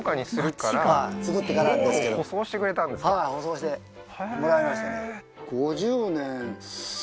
はい舗装してもらいましたね